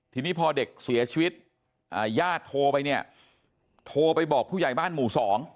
ทีนี้พอเด็กเสียชีวิตญาติโทรไปเนี่ยโทรไปบอกผู้ใหญ่บ้านหมู่๒